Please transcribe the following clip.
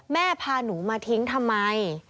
พาหนูมาทิ้งทำไม